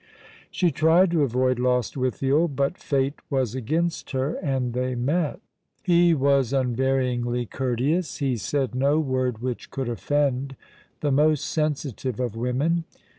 She tried to avoid Lostwithiel, but Fate was against her, and they met. He was unvaryingly courteous. He said no word which could offend the most sensitive of women.